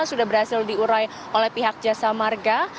sudah berhasil diurai oleh pihak jasa marga